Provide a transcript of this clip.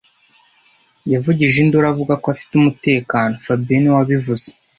Yavugije induru avuga ko afite umutekano fabien niwe wabivuze